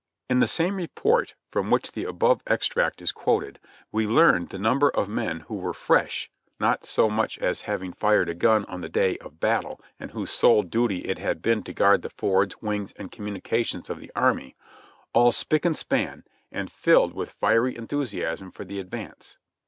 In the same report from which the above extract is quoted we learned the number of men who were "fresh" — not so much as BULIv RUN TO WASHINGTON BUT TWENTY SIX MIlwKS 6/ having fired a gun on the day of battle, and whose sole duty it had been to guard the fords, wings and communications of the army — all spick and span, and filled with fiery enthusiasm for the advance.